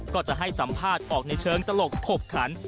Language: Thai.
ก็จะให้สัมภาษณ์ออกในเชิงตลกขบขัน